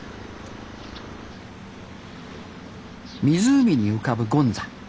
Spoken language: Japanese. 湖に浮かぶ権座。